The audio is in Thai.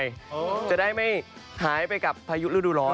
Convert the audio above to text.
อย่าจะไม่หายไปกับพายุฤดุรส